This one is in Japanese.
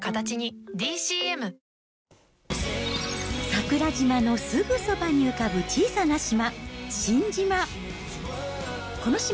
桜島のすぐそばに浮かぶ小さな島、新島。